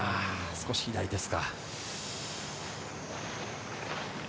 少し左ですか。